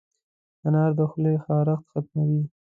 انار د خولې خارش ختموي.